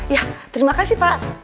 ya terima kasih pak